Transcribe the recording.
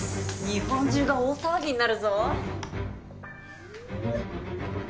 日本中が大騒ぎになるぞ。